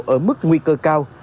ở mức nguy cơ cao